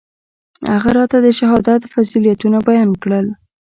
هغه راته د شهادت فضيلتونه بيان کړل.